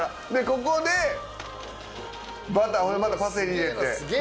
ここでバターまたパセリ入れて。